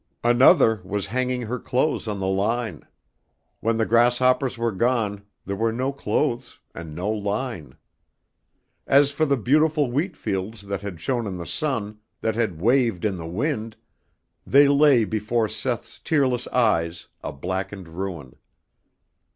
Another was hanging her clothes on the line. When the grasshoppers were gone there were no clothes and no line. As for the beautiful wheat fields that had shone in the sun, that had waved in the wind, they lay before Seth's tearless eyes, a blackened ruin.